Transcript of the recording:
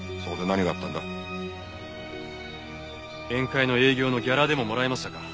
宴会の営業のギャラでももらいましたか？